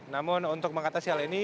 namun untuk mengatasi hal ini